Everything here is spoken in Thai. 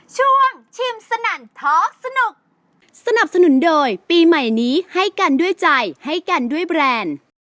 ชิมสนั่นทอล์กสนุกสนับสนุนโดยปีใหม่นี้ให้กันด้วยใจให้กันด้วยแบรนด์